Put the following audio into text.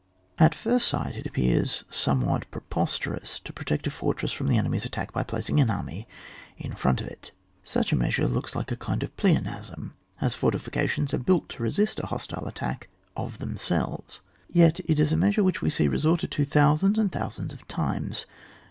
At first sight it appears somewhat pre posterous to protect a fortress from the enemy's attack by placing an army in front of it ; such a measure looks like a kind of pleonasm, as fortifications are built to resist a hostile attack of them selves. Tet it is a measure which we see resorted to thousands and thousands of times.